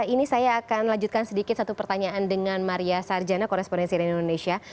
ini saya akan lanjutkan sedikit satu pertanyaan dengan maria sarjana korespondensi dari indonesia